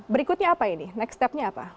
berikutnya apa ini next step nya apa